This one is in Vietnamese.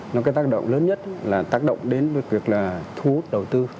nó có tác động lớn nhất là tác động đến với việc là thu hút đầu tư